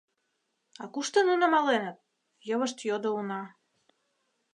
— А кушто нуно маленыт? — йывышт йодо уна.